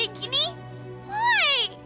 aku mau pergi